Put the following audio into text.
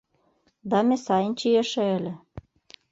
Даме сайын чийыше ыле.